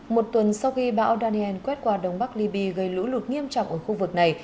một tuần sau khi bão daniel quét qua đông bắc liby gây lũ lụt nghiêm trọng ở khu vực này